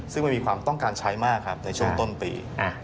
ซึ่งมันมีความต้องการใช้มากครับในช่วงต้นปี